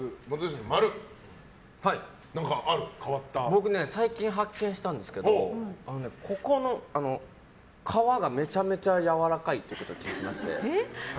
僕、最近、発見したんですがここの皮がめちゃめちゃやわらかいということに気づきまして。